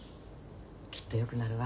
きっとよくなるわ。